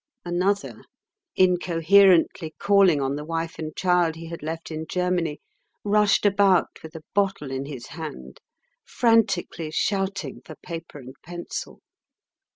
Another, incoherently calling on the wife and child he had left in Germany, rushed about with a bottle in his hand frantically shouting for paper and pencil.